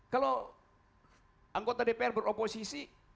kalau anggota dpr beroposisi